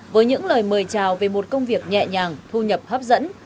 với những lời mời chào về một công việc nhẹ nhàng thu nhập hấp dẫn